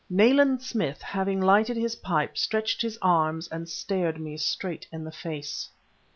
Nayland Smith, having lighted his pipe, stretched his arms and stared me straight in the face.